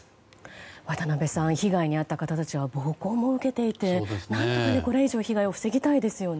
渡辺さん、被害に遭った方たちは暴行も受けていて被害を防ぎたいですね。